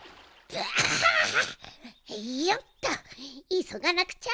いそがなくちゃ！